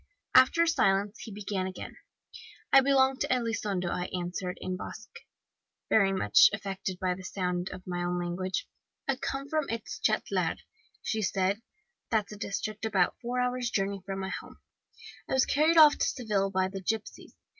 After a silence, he began again. "'I belong to Elizondo,' I answered in Basque, very much affected by the sound of my own language. "'I come from Etchalar,' said she (that's a district about four hours' journey from my home). 'I was carried off to Seville by the gipsies.